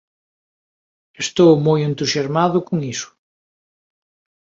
Estou moi entusiasmado con iso".